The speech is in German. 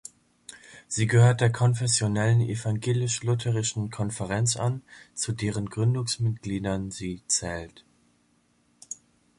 Sie gehört der Konfessionellen Evangelisch-Lutherischen Konferenz an, zu deren Gründungsmitgliedern sie zählt.